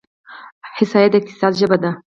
احصایه د اقتصاد ژبه ده.